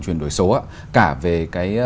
truyền đổi số cả về cái